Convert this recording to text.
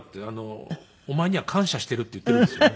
「お前には感謝している」って言っているんですよね。